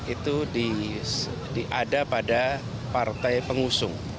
itu ada pada partai pengusung